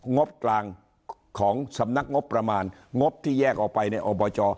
งบกลางของสำนักงบประมาณงบที่แยกออกไปในอบจ